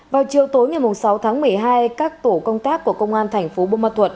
vào chiều tối ngày sáu tháng một mươi hai các tổ công tác của công an thành phố bô ma thuật